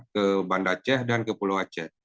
ke banda aceh dan ke pulau aceh